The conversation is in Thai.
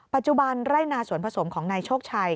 ปัจจุบันไร่นาสวนผสมของนายโชคชัย